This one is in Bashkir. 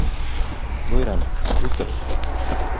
Бойорам: ултыр!